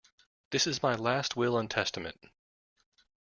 This is my last will and testament.